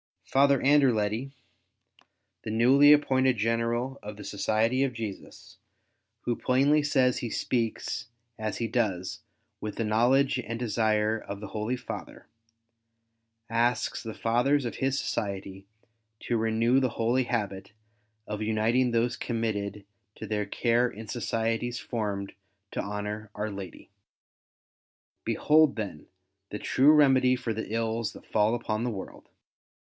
Father Anderledy, the newly appointed General of the Society of Jesus, who plainly says he speaks as he does with the knowledge and desire of the Holy Father, asks the Fathers of his Society to renew the holy habit of uniting those committed to their care in societies formed to honour Our Lady. Behold, then, the true remedy for the ills that fall upon the world.